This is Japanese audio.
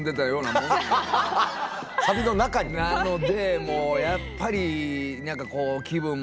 なのでもうやっぱり何かこう気分も落ちますしね。